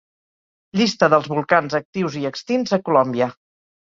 Llista dels volcans actius i extints a Colòmbia.